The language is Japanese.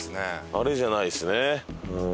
あれじゃないですね。